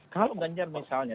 kalau ganjar misalnya